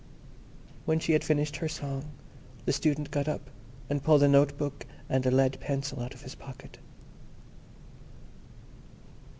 When she had finished her song the Student got up, and pulled a note book and a lead pencil out of his pocket.